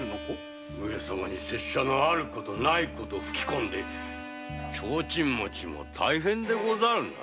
上様に拙者の有ること無いことを吹き込んでちょうちん持ちも大変でござるな。